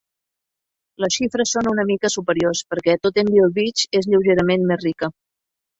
Les xifres són una mica superiors perquè Tottenville Beach és lleugerament més rica.